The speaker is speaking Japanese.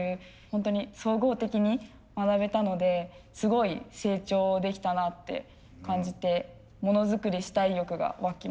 ホントに総合的に学べたのですごい成長できたなって感じてモノづくりしたい欲が湧きました。